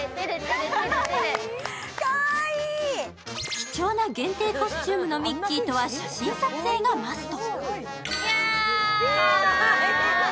貴重な限定コスチュームのミッキーとは写真撮影がマスト。